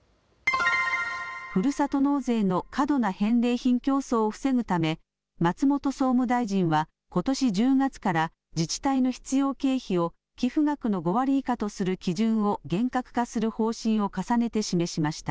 ふるさと納税の過度な返礼品競争を防ぐため松本総務大臣はことし１０月から自治体の必要経費を寄付額の５割以下とする基準を厳格化する方針を重ねて示しました。